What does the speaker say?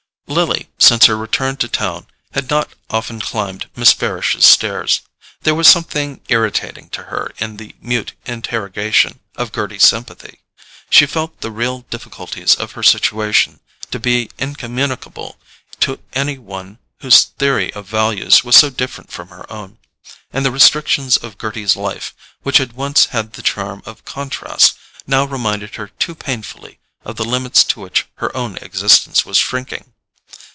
Lily, since her return to town, had not often climbed Miss Farish's stairs. There was something irritating to her in the mute interrogation of Gerty's sympathy: she felt the real difficulties of her situation to be incommunicable to any one whose theory of values was so different from her own, and the restrictions of Gerty's life, which had once had the charm of contrast, now reminded her too painfully of the limits to which her own existence was shrinking.